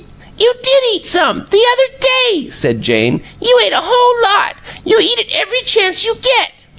"You did eat some, the other day," said Jane. "You ate a whole lot. You eat it every chance you get!"